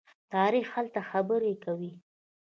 تاریخ هلته خبرې کوي.